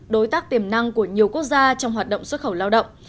đối tác tiềm năng của nhiều quốc gia trong hoạt động xuất khẩu lao động